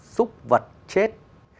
xúc vật chết